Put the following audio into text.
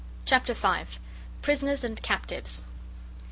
Chapter V. Prisoners and captives.